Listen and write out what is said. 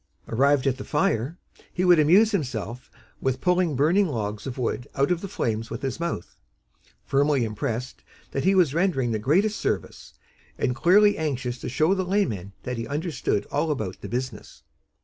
Arrived at the fire, he would amuse himself with pulling burning logs of wood out of the flames with his mouth, firmly impressed that he was rendering the greatest service, and clearly anxious to show the laymen that he understood all about the business.